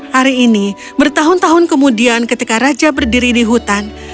hari ini bertahun tahun kemudian ketika raja berdiri di hutan